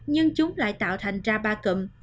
nhưng chúng lại tạo thành ra ba cụm